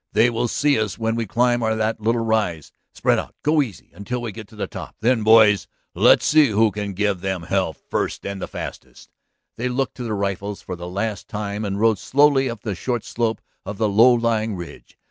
"They will see us when we climb that little rise. Spread out; go easy until we get to the top. Then, boys, let's see who can give them hell first and fastest." They looked to their rifles for the last time and rode slowly up the short slope of the low lying ridge.